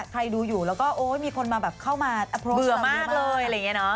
ใครดูอยู่เราก็มีคนมาแบบเข้ามาเบื่อมากเลย